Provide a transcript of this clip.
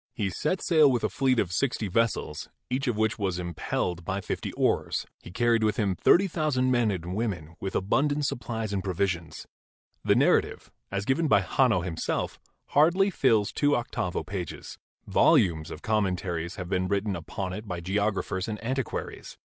He set sail with a fleet of sixty vessels, each of which was impelled by fifty oars. He carried with him 22 GEOLOGY thirty thousand men and women, with abundant supplies and provisions. The narrative, as given by Hanno himself, hardly fills two octavo pages; volumes of commentaries have been written upon it by geographers and antiquaries.